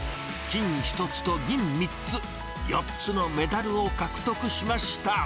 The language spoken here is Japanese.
金１つと銀３つ、４つのメダルを獲得しました。